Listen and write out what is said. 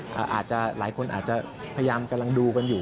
ผมเข้าใจว่าหลายคนอาจจะพยายามกำลังดูกันอยู่